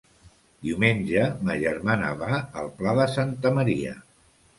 Diumenge ma germana va al Pla de Santa Maria.